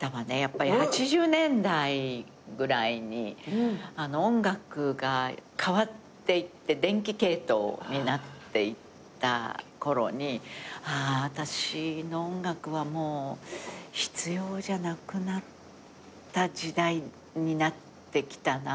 ８０年代ぐらいに音楽が変わっていって電気系統になっていった頃にああ私の音楽はもう必要じゃなくなった時代になってきたな。